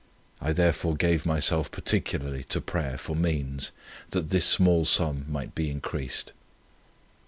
I therefore gave myself particularly to prayer for means, that this small sum might be increased.